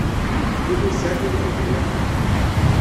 Yuba yesεa tirmit ilaqen.